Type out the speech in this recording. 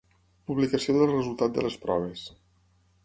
Publicació del resultat de les proves.